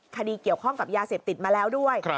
คดีเกี่ยวข้องกับยาเสพติดมาแล้วด้วย